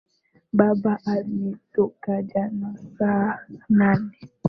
Baba ametoka jana saa nane.